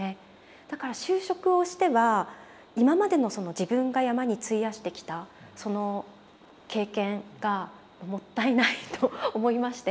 だから就職をしては今までのその自分が山に費やしてきたその経験がもったいないと思いまして。